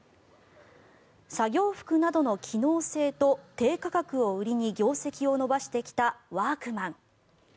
作業服などの機能性と低価格を売りに業績を伸ばしてきたワークマン。